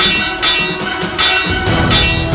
karena seorang ber sousma semuanya